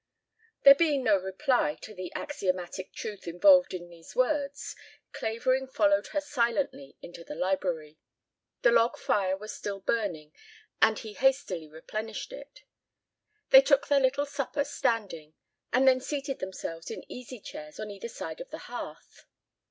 There being no reply to the axiomatic truth involved in these words, Clavering followed her silently into the library. The log fire was still burning and he hastily replenished it. They took their little supper standing and then seated themselves in easy chairs on either side of the hearth.